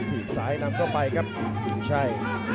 คิกไซนำเข้าไปครับชัย